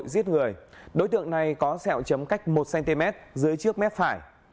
dưới trước mép phải